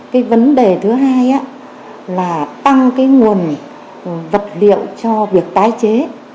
cái vấn đề thứ hai là tăng cái nguồn vật liệu cho việc tái chế